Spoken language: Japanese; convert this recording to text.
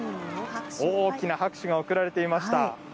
大きな拍手が送られていました。